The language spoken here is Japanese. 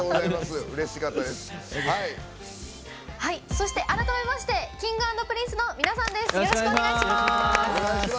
そして、改めましてＫｉｎｇ＆Ｐｒｉｎｃｅの皆さんです。